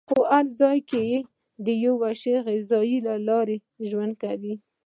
خو هر ځای کې یې د وحشي غذا له لارې ژوند کاوه.